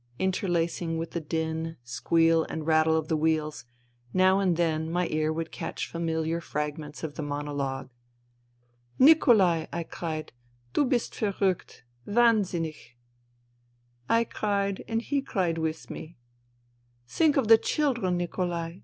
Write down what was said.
Interlacing with the din, squeal and rattle of the wheels, now and then my ear would catch familiar fragments of the monologue. "' Nikolai !' I cried. ' Du hist verriickt ... wahnsinnich /...' sic :!c 4: " I cried and he cried with me. ..."' Think of the children, Nikolai